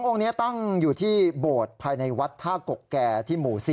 องค์นี้ตั้งอยู่ที่โบสถ์ภายในวัดท่ากกแก่ที่หมู่๔